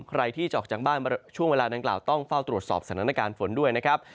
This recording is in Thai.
ใครที่จะออกจากบ้านช่วงเวลาดังกล่าวต้องเฝ้าตรวจสอบสถานการณ์ฝนด้วยนะครับ